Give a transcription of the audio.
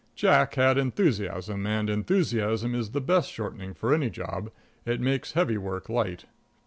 Jack had enthusiasm, and enthusiasm is the best shortening for any job; it makes heavy work light.